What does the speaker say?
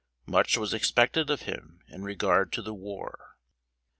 Much was expected of him in regard to the war.